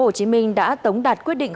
hồ chí minh đã tống đạt quyết định